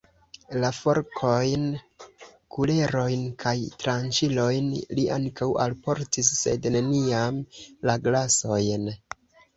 La forkojn, kulerojn kaj tranĉilojn li ankaŭ alportis, sed neniam la glasojn.